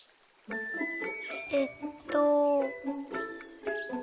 えっと。